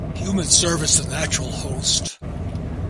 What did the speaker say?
Humans serve as the natural host.